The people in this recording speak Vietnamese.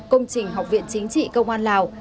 công trình học viện chính trị công an lào